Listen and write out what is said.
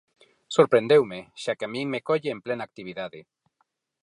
Sorprendeume, xa que a min me colle en plena actividade.